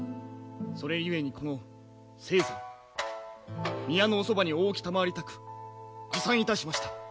それゆえにこの青山宮のおそばにお置きたまわりたく持参いたしました。